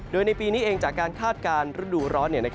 โดยในปีนี้เองจากการคาดการณ์ฤดูร้อน